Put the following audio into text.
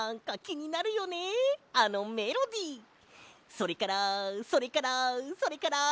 「それからそれからそれから」